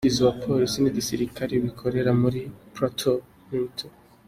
Umuvugizi wa Polisi n’igisirikare bikorera muri Plateau, Lt.